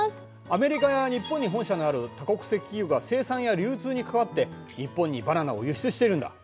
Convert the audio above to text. アメリカや日本に本社のある多国籍企業が生産や流通に関わって日本にバナナを輸出してるんだ。